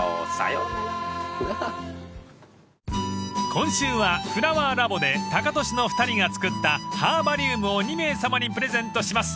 ［今週はＦｌｏｗｅｒＬａｂｏでタカトシの２人が作ったハーバリウムを２名さまにプレゼントします］